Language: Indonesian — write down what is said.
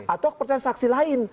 atau percaya saksi lain